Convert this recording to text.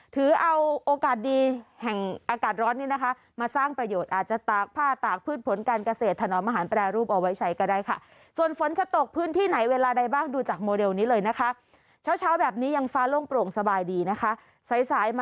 ถือเอาโอกาสดีแห่งอากาศร้อนนี้นะคะมาสร้างประโยชน์อาจจะตากผ้าตากพืชผลการเกษตร